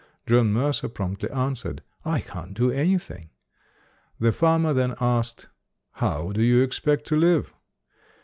John Mercer promptly answered, "I can't do anything". The farmer then asked, "How do you expect to live?